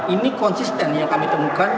ini konsisten yang kami temukan